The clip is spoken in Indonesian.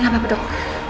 gak apa apa dok